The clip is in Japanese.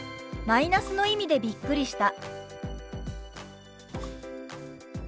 「プラスの意味でびっくりした」。